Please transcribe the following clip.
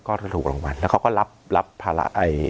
ก็ถูกรางวัลแล้วเขาก็รับภาระ